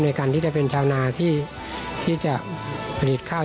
ในการที่จะเป็นชาวนาที่จะผลิตข้าว